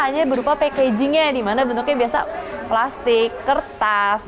karena itu hanya berupa packagingnya di mana bentuknya biasa plastik kertas